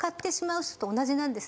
うん。